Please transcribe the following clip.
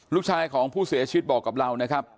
ลูกชายของผู้เสียชีวิตบอกกับเรานะครับ